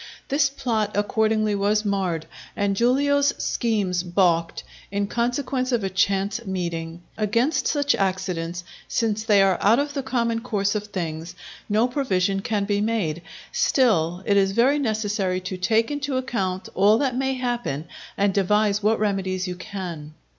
This plot accordingly was marred, and Giulio's schemes baulked, in consequence of a chance meeting. Against such accidents, since they are out of the common course of things, no provision can be made. Still it is very necessary to take into account all that may happen, and devise what remedies you can.